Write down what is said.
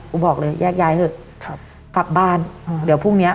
บอกเลยแยกย้ายเถอะครับกลับบ้านอืมเดี๋ยวพรุ่งเนี้ย